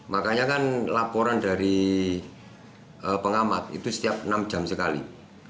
makanya kan laporan dari pengamat itu setiap enam jam sekali